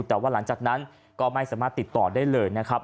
แต่ว่าหลังจากนั้นก็ไม่สามารถติดต่อได้เลยนะครับ